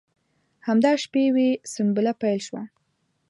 همدا شپې وې سنبله پیل شوې وه.